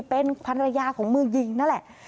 เป็นภรรยาของมือยิงนั่นแหละ